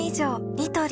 ニトリ